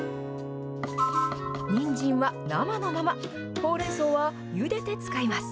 にんじんは生のまま、ほうれんそうはゆでて使います。